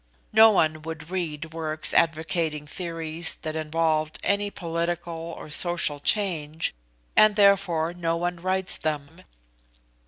No one would read works advocating theories that involved any political or social change, and therefore no one writes them.